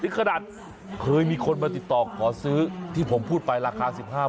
ขนาดเคยมีคนมาติดต่อขอซื้อที่ผมพูดไปราคา๑๕บาท